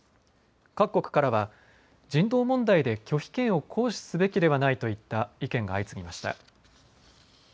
各国からは人道問題で拒否権を行使すべきではないといった意見が相次ぎました。